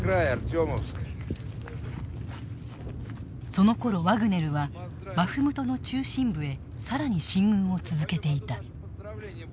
そのころワグネルはバフムトの中心部へさらに進軍を続けていた。